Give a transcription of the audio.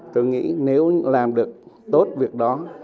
tôi nghĩ nếu làm được tốt việc đó